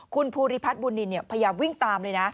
คุณภูริพัฒน์บุญนินพยายามวิ่งตามเลยนะ